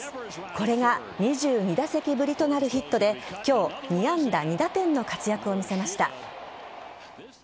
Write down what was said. これが２２打席ぶりとなるヒットで今日２安打２打点の活躍を見せました。